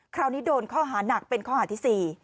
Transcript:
คราวนี้โดนข้อหานักเป็นข้อหาที่๔